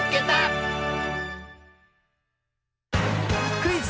クイズ